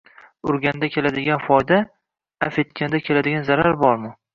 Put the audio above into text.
Urganda keladigan foyda, avf etganda keladigan zarar bormi?